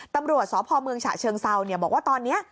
ตำรวจสพเมืองฉะเชิงเซาบอกว่าตอนนี้